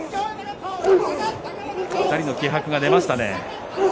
２人の気迫が出ましたね。